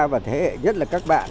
và thế hệ nhất là các bạn